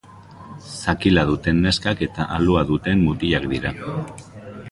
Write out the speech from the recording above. Zakila duten neskak eta alua duten mutilak dira.